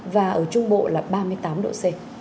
và ở trung bộ là ba mươi tám độ c